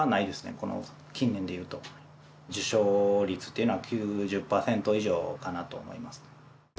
この近年でいうと受賞率っていうのは９０％以上かなと思います